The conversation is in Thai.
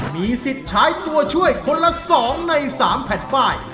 มีสิทธิ์ใช้ตัวช่วยคนละ๒ใน๓แผ่นป้าย